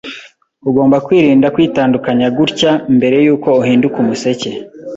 Ugomba kwirinda kwitandukanya gutya mbere yuko uhinduka umuseke